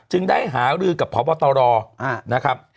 จึงได้หารือกับพหัวตรอนะครับ